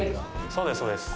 そうです